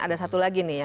ada satu lagi nih